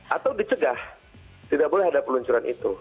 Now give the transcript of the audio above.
atau dicegah tidak boleh ada peluncuran itu